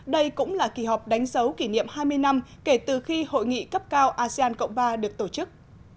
đây cũng là kỳ họp đánh dấu kỷ niệm hai mươi năm kể từ khi hội nghị cấp cao asean cộng ba được tổ chức